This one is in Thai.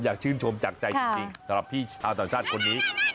ชื่นชมจากใจจริงสำหรับพี่ชาวต่างชาติคนนี้